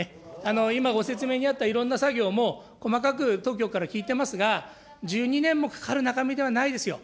今ご説明にあったいろんな作業も、細かく当局から聞いていますが、１２年もかかる中身ではないですよ。